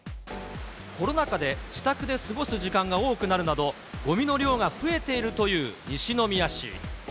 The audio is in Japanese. コロナ禍で自宅で過ごす時間が多くなるなど、ごみの量が増えているという西宮市。